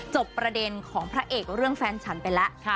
จบประเด็นของพระเอกเรื่องแฟนฉันไปแล้ว